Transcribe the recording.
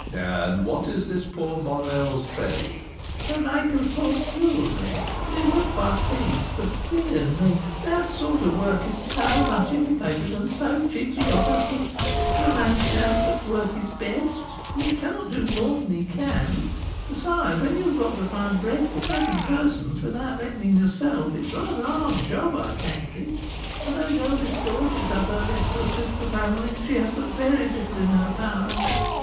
"And what is this poor Morel's trade?" "A maker of false jewelry; he works by the piece; but, dear me! that sort of work is so much imitated, and so cheaply got up that For a man can but work his best, and he cannot do more than he can; besides, when you have got to find bread for seven persons without reckoning yourself, it is rather a hard job, I take it. And though his eldest daughter does her best to assist the family, she has but very little in her power."